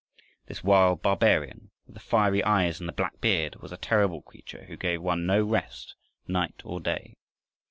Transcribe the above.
This wild barbarian, with the fiery eyes and the black beard, was a terrible creature who gave one no rest night nor day.